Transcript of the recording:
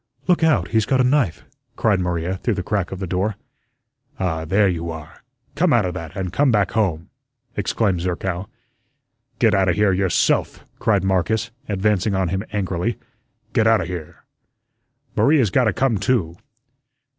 "Look out, he's got a knife!" cried Maria through the crack of the door. "Ah, there you are. Come outa that, and come back home," exclaimed Zerkow. "Get outa here yourself," cried Marcus, advancing on him angrily. "Get outa here." "Maria's gota come too."